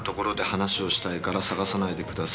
話をしたいから捜さないでください。